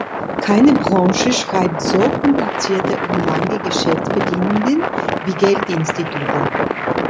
Keine Branche schreibt so komplizierte und lange Geschäftsbedingungen wie Geldinstitute.